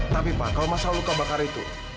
tapi pak kalau masalah luka bakar itu